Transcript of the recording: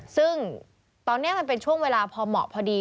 ซึ่งตอนนี้มันเป็นช่วงเวลาพอเหมาะพอดี